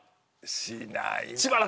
しないな。